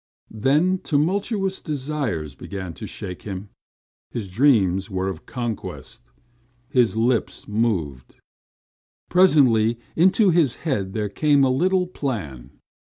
Then tumultuous desires began to shake him. His dreams were of conquest. His lips moved. Presently into his head there came a little plan.